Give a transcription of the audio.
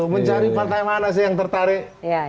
mencari partai mana sih yang tertarik